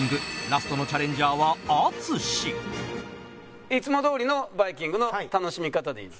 ラストのチャレンジャーは淳いつもどおりのバイキングの楽しみ方でいい？